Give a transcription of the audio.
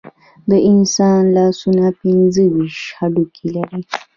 د انسان لاسونه پنځه ویشت هډوکي لري.